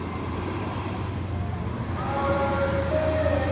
د هنر کمال ته قایل ول